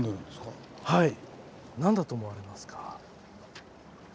何だと思われますか？